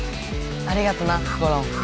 ありがとなゴロン！